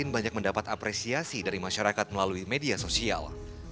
banyak mendapat apresiasi dari masyarakat melalui media sosial